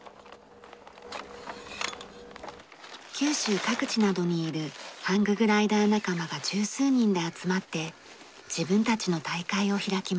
九州各地などにいるハンググライダー仲間が十数人で集まって自分たちの大会を開きます。